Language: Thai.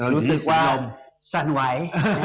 รู้สึกว่าสั่นไหว